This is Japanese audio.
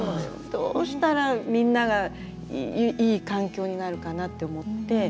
どうしたらみんながいい環境になるかなって思って作ったんですけど。